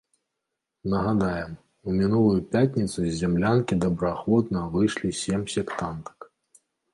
Нагадаем, у мінулую пятніцу з зямлянкі добраахвотна выйшлі сем сектантак.